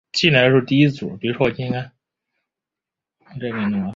中太平洋飓风中心未能在飓风逼近前及时发布热带气旋警告或观察预警。